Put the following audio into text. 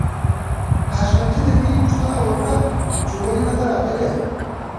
حشمتي د مینې پوښتنه وکړه چې ولې نده راغلې